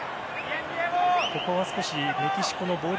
ここは少しメキシコのボール